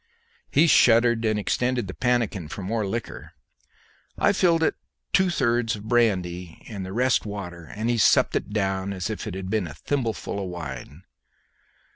He shuddered, and extended the pannikin for more liquor. I filled it with two thirds of brandy and the rest water, and he supped it down as if it had been a thimbleful of wine.